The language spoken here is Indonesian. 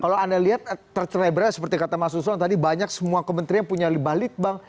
kalau anda lihat terlebih dahulu seperti kata mas nusron tadi banyak semua kementerian punya balik bang